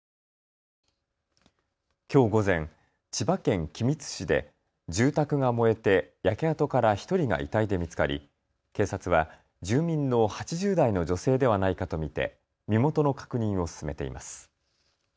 きょう午前、千葉県君津市で住宅が燃えて焼け跡から１人が遺体で見つかり、警察は住民の８０代の女性ではないかと見て身元の確認を進めています。